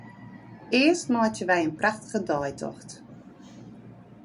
Earst meitsje wy in prachtige deitocht.